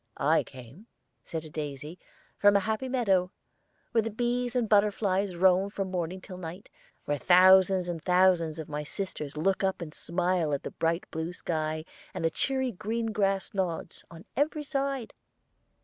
"I came," said a daisy, "from a happy meadow, where the bees and butterflies roam from morning till night, where thousands and thousands of my sisters look up and smile at the bright blue sky, and the cheery green grass nods on every side."